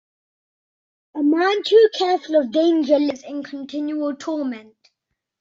A man too careful of danger lives in continual torment.